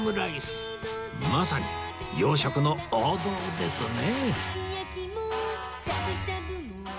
まさに洋食の王道ですね